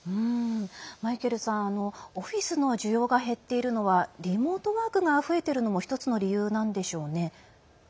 マイケルさんオフィスの需要が減っているのはリモートワークが増えているのも１つの理由なんでしょうね。